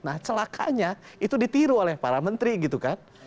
nah celakanya itu ditiru oleh para menteri gitu kan